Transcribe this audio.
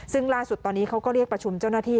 ซึ่งล่าสุดตอนนี้เขาก็เรียกประชุมเจ้าหน้าที่